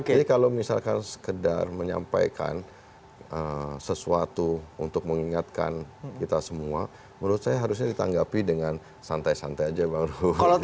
jadi kalau misalkan sekedar menyampaikan sesuatu untuk mengingatkan kita semua menurut saya harusnya ditanggapi dengan santai santai aja bang ruhut